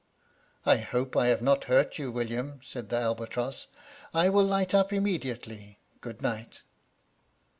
"I hope I have not hurt you, William," said the albatross; "I will light up immediately. Good night."